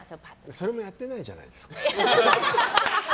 それもやってないじゃないですか。